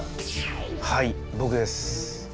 はい僕です。